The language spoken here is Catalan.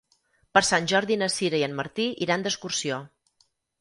Per Sant Jordi na Sira i en Martí iran d'excursió.